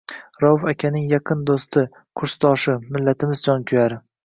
Rauf akaning yaqin do’sti, kursdoshi, millatimiz jonkuyari